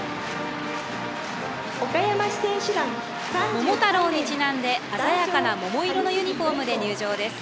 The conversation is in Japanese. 桃太郎にちなんで鮮やかな桃色のユニフォームで入場です。